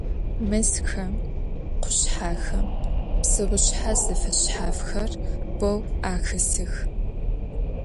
Mezxem, khuşshexem pseuşshe zefeşshafxer beu axesıx.